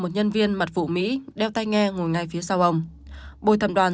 một nhân viên mặt vụ mỹ đeo tay nghe ngồi ngay phía sau ông